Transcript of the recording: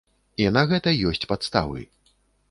І на гэта ёсць падставы.